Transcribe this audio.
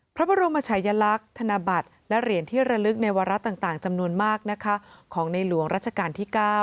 พระบรมชายลักษณ์ธนบัตรและเหรียญที่ระลึกในวาระต่างจำนวนมากนะคะของในหลวงรัชกาลที่๙